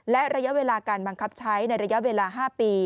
และระยะเวลาการบังคับใช้ในระยะเวลา๕ปี